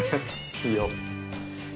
いいよ。